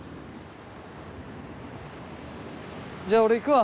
じゃあ俺行くわ。